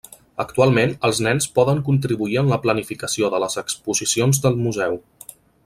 Actualment, els nens poden contribuir en la planificació de les exposicions del museu.